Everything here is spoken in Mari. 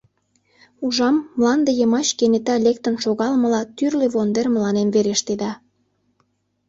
ужам, мланде йымач кенета лектын шогалмыла тӱрлӧ вондер мыланем верештеда.